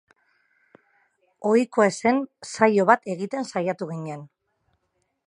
Ohikoa ez zen saio bat egiten saiatu ginen.